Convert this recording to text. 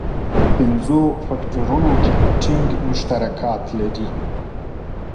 پنځو فکټورونو کې ټینګ مشترکات لري.